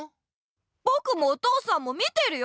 ぼくもお父さんも見てるよ！